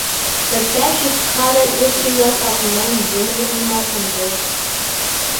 The deck is crowded with figures of men, women, animals, and birds.